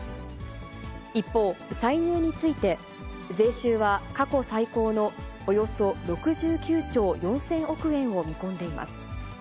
一方、歳入について、税収は過去最高のおよそ６９兆４０００億円を見込んでいます。